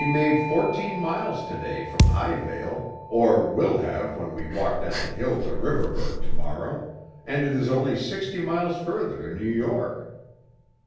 We made fourteen miles to day from Highvale or will have when we walk down the hill to Riverburgh to morrow, and it is only sixty miles further to New York."